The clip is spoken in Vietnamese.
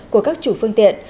của các chủ phương tiện